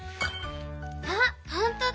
あほんとだ！